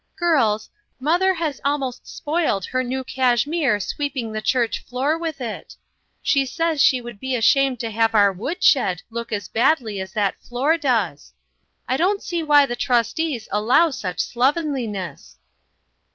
Girls, mother has almost spoiled her new cashmere sweeping the church floor with it. She says she would be ashamed to have our wood shed look as badly as that floor does. I don't see why the trustees allow such slovenliness."